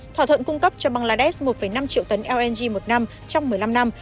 thỏa thuận cung cấp cho bangladesh một năm triệu tấn lng một năm trong một mươi năm năm